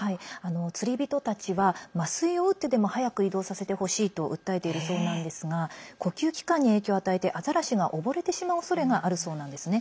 釣り人たちは麻酔を打ってでも早く移動させてほしいと訴えているそうなんですが呼吸器官に影響を与えてアザラシが溺れてしまうおそれがあるそうなんですね。